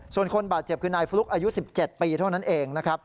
ส่วนคนบาดเจ็บคือนายฟลุ๊กอายุ๑๗ปีเท่านั้นเองนะครับ